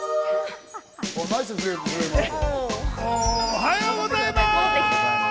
おはようございます。